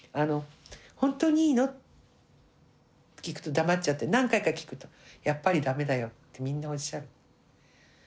「本当にいいの？」って聞くと黙っちゃって何回か聞くと「やっぱりだめだよ」ってみんなおっしゃる。